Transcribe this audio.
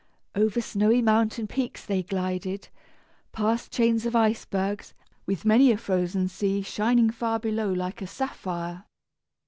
Over snowy mountain peaks they glided, past chains of icebergs, with many a frozen sea shining far below like a sapphire.